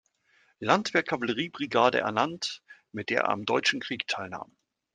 Landwehr-Kavallerie-Brigade ernannt, mit der er am Deutschen Krieg teilnahm.